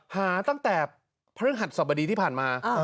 หาตั้งแต่ภารกิจศาสตร์บดีที่ผ่านมา